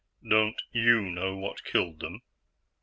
"Don't you know what killed them?"